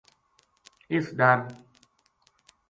اِس ڈر